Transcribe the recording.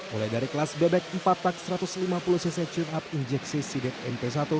mulai dari kelas bebek empat tak satu ratus lima puluh cc turn up injeksi sidep mp satu